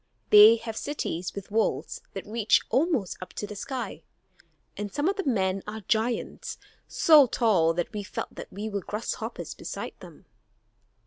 They have cities with walls that reach almost up to the sky; and some of the men are giants, so tall that we felt that we were like grasshoppers beside them."